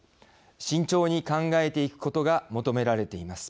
慎重に考えていくことが求められています。